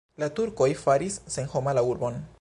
La turkoj faris senhoma la urbon.